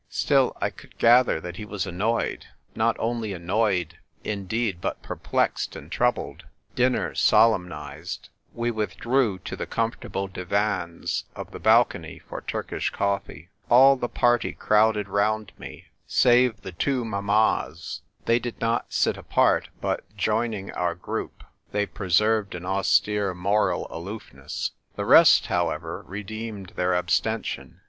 Still, I could gather that he was annoyed ; not only annoyed, indeed, but perplexed and troubled. Dinner solemnised, we withdrew to the comfortable divans of the balcony for Turkish coffee. All the party crowded round me, save the two mammas ; they did not sit apart, but, joining our group, they preserved an austere moral aloofness. The rest, however, redeemed their abstention.